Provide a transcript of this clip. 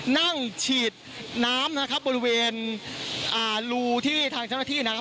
นั่งฉีดน้ำนะครับบริเวณอ่ารูที่ทางเจ้าหน้าที่นะครับ